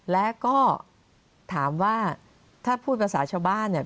และก็ถามว่าถ้าพูดภาษาชาวบ้านเนี่ย